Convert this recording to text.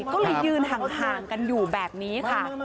ก็เลยยืนห่างกันอยู่แบบนี้ค่ะ